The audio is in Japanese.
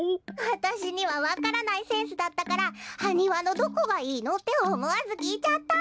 わたしにはわからないセンスだったから「ハニワのどこがいいの？」っておもわずきいちゃった。